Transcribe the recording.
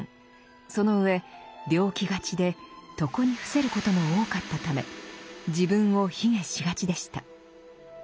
その上病気がちで床に伏せることも多かったため自分を卑下しがちでした。